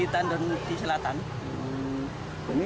di kandungan di selatan